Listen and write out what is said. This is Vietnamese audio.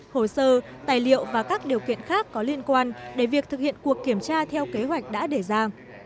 hồ sơ tài liệu và các điều kiện khác có liên quan để việc thực hiện cuộc kiểm tra theo kế hoạch đã để ra